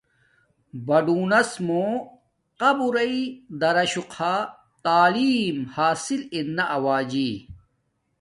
بوڈوناس موں قبرݵ داراشو خا تعلیم حاصل ارنا آوجی